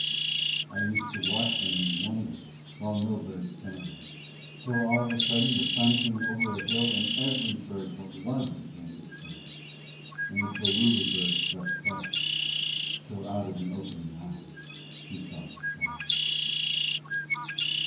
I used to watch them in wonder while no bird sang till all of a sudden the sun came over a hill and every bird but one began to sing, and the tolulu bird slept fast, till out of an opening eye he saw the stars.